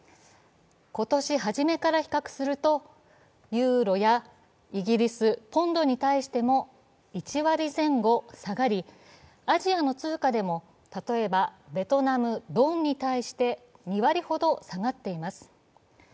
今年初めから比較するとユーロやイギリス・ポンドに対しても１割前後下がり、アジアの通貨でも例えばベトナム・ドンに対して２割ほど下がっています。